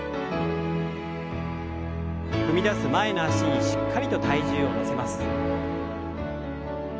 踏み出す前の脚にしっかりと体重を乗せます。